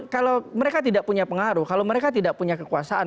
kalau mereka tidak punya pengaruh kalau mereka tidak punya kekuasaan